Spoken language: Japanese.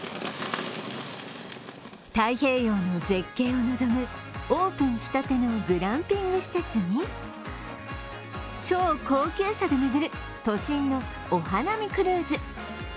太平洋の絶景を望む、オープンしたてのグランピング施設に超高級車で巡る都心のお花見クルーズ。